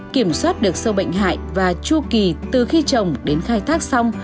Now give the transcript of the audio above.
kiểm soát được sâu bệnh hại và chu kỳ từ khi trồng đến khai thác xong